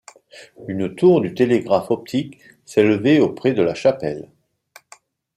Une tour du télégraphe optique s'élevait au près de la chapelle.